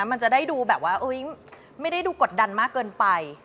มันจะได้ดูแบบว่าไม่ได้ดูกดดันมากเกินไป